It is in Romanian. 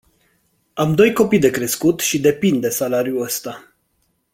Am doi copii de crescut și depind de salariul ăsta.